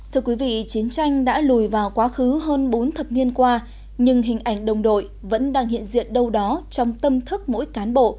thưa quý vị chiến tranh đã lùi vào quá khứ hơn bốn thập niên qua nhưng hình ảnh đồng đội vẫn đang hiện diện đâu đó trong tâm thức mỗi cán bộ